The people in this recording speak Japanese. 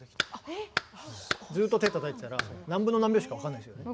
ずっと手たたいてたら何分の何拍子か分かんないですよね。